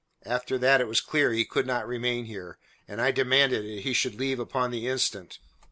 After that it was clear he could not remain here, and I demanded that he should leave upon the instant.